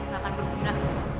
gak akan berguna